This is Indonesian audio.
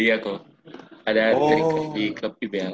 iya ko ada terikat di klub ibl